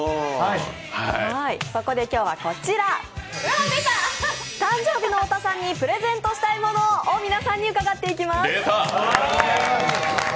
そこで今日はこちら、誕生日の太田さんにプレゼントしたいものを皆さんに伺っています。